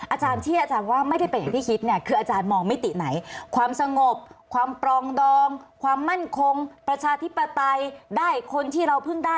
อาจารย์ที่อาจารย์ว่าไม่ได้เป็นอย่างที่คิด